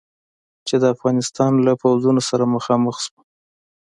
چې د افغانستان له پوځونو سره مخامخ شو.